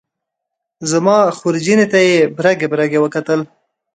زما خورجینې ته یې برګې برګې وکتل.